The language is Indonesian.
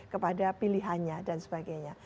kepada pilihannya dan sebagainya